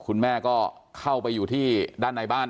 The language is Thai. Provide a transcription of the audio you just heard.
คุณแม่ก็เข้าไปอยู่ที่ด้านในบ้าน